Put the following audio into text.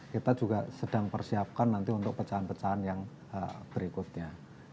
kita juga sedang persiapkan nanti untuk pecahan pecahan yang berikutnya